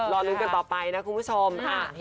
รอลุ้นกันต่อไปนะคุณผู้ชม